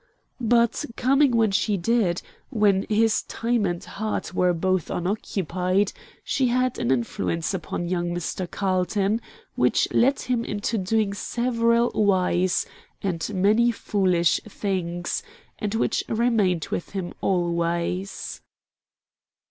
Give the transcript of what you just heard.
But coming when she did, when his time and heart were both unoccupied, she had an influence upon young Mr. Carlton which led him into doing several wise and many foolish things, and which remained with him always.